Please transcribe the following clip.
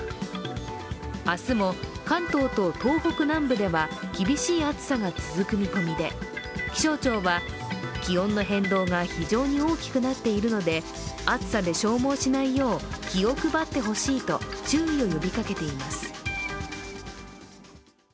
明日も関東と東北南部では厳しい暑さが続く見込みで気象庁は気温の変動が非常に大きくなっているので暑さで消耗しないよう気を配ってほしいと注意を呼びかけています。